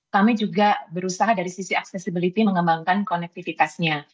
kami juga berusaha dari sisi accessibility mengembangkan konektivitasnya